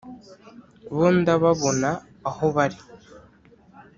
bo ndababona aho bari